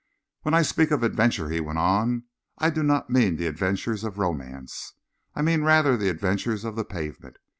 "When I speak of adventures," he went on, "I do not mean the adventures of romance. I mean rather the adventures of the pavement.